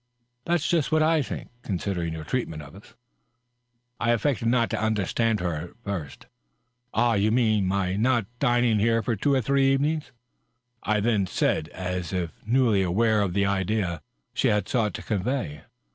" That's just what I think, considering your treatment of us." I affected not to understand her, at first. " Ah, you mean my not dining here for two or three evenings," I then said, as if newly aware of the idea she had sought to convey.